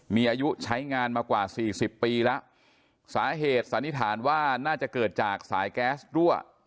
มีอายุใช้งานมากว่าสี่สิบปีแล้วสาเหตุสันนิษฐานว่าน่าจะเกิดจากสายแก๊สรั่ว